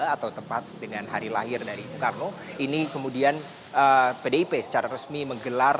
atau tepat dengan hari lahir dari soekarno ini kemudian pdip secara resmi menggelar